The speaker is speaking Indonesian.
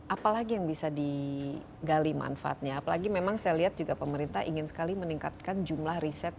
apalagi yang bisa digali manfaatnya apalagi memang saya lihat juga pemerintah ingin sekali meningkatkan jumlah riset